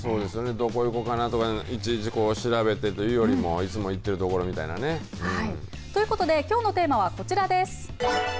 どこ行こうかなとかいちいち調べてというよりもいつも行ってるところということできょうのテーマはこちらです。